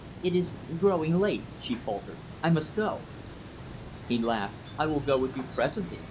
"It is growing late," she faltered; "I must go." He laughed. "I will go with you presently.